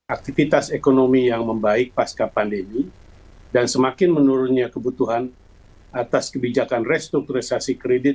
aktivitas ekonomi yang membaik pasca pandemi dan semakin menurunnya kebutuhan atas kebijakan restrukturisasi kredit